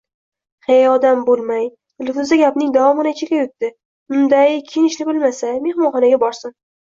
– He, odam bo’lmay… – Dilfuza gapning davomini ichiga yutdi. – Munday… kiyinishni bilmasa! Mehmonxonaga borsin!